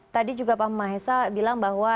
tadi juga pak mahesa bilang bahwa